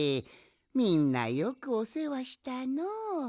みんなよくおせわしたのう。